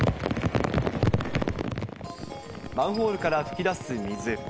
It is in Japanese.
マンホールから噴き出す水。